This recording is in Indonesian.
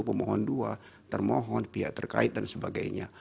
pemohon dua termohon pihak terkait dan sebagainya